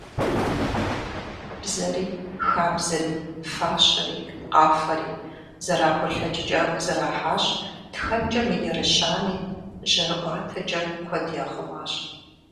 Бзэри, хабзэри, фащэри, къафэри зэрахулъэкӏкӏэ зэрахьащ, тхэнкӏэ мыерыщами, жьэрыӏуатэкӏэ куэд яхъумащ…